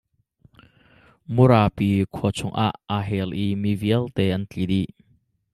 Murapi khua chung ah aa hel i mi vialte an tli dih.